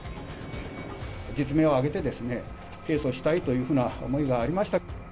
実名を挙げて、提訴したいというふうな思いがありました。